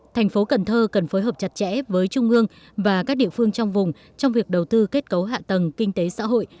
thành phố cần thơ cần phối hợp chặt chẽ với trung ương và các địa phương trong vùng trong việc đầu tư kết cấu hạ tầng kinh tế xã hội